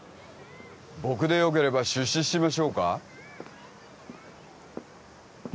僕でよければ出資しましょうか？